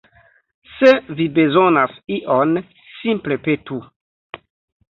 Se vi bezonas ion, simple petu.